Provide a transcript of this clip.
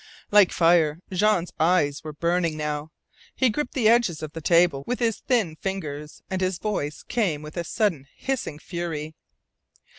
Like fire Jean's eyes were burning now. He gripped the edges of the table with his thin fingers, and his voice came with a sudden hissing fury.